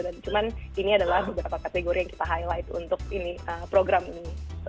dan cuman ini adalah beberapa kategori yang kita highlight untuk program ini